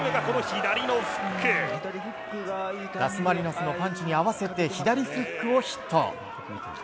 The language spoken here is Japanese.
ダスマリナスのパンチに合わせて左フックをヒット。